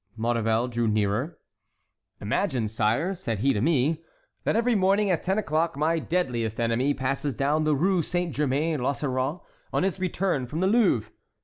Maurevel drew nearer. "'Imagine, sire,' said he to me, 'that every morning, at ten o'clock, my deadliest enemy passes down the Rue Saint Germain l'Auxerrois, on his return from the Louvre.